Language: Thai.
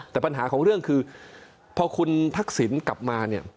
แต่ปัญหาของเรื่องคือพอคุณทักษิณกลับมาเนี่ย